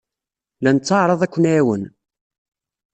La netteɛṛaḍ ad ken-nɛiwen.